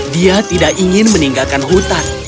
dia tidak ingin meninggalkan hutan